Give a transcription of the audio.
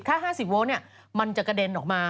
ถ้า๕๐โวลต์มันจะกระเด็นออกมา